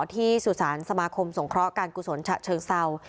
ที่สุสานสมาคมสงครอการกุศลฉะเชิงเซา